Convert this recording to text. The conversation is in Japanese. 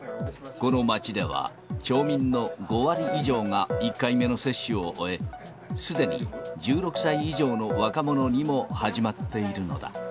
この町では町民の５割以上が１回目の接種を終え、すでに１６歳以上の若者にも始まっているのだ。